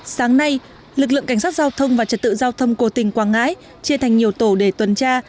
sáng nay lực lượng cảnh sát giao thông và trật tự giao thông của tỉnh quảng ngãi chia thành nhiều tổ để tuần tra